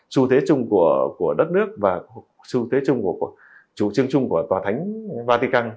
xu thế chung của đất nước và xu thế chung của chủ trương chung của tòa thánh vatican